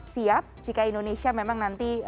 siap jika indonesia memang nanti